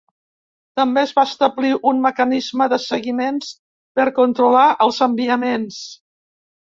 També es va establir un mecanisme de seguiment per controlar els enviaments.